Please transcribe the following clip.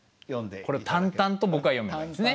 これ淡々と僕は読めばいいんですね。